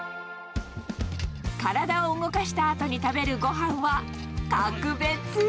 体を動かしたあとに食べるごはんは、格別。